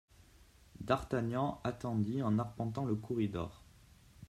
D'Artagnan attendit en arpentant le corridor.